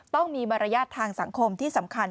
ต้องมีมารยาททางสังคมที่สำคัญ